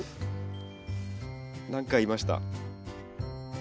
何かいました。